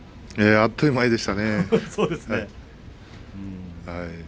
あっという間でした。